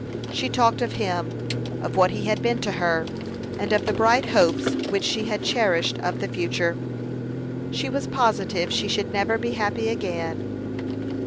She talked of him; of what he had been to her, and of the bright hopes which she had cherished of the future. She was positive she should never be happy again.